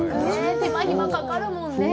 手間暇かかるもんね。